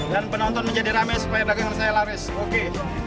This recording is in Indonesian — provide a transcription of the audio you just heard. dan penonton menjadi ramai supaya dagangan saya laris oke